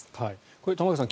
これ、玉川さん